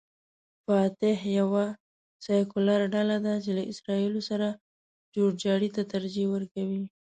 فتح یوه سیکولر ډله ده چې له اسراییلو سره جوړجاړي ته ترجیح ورکوي.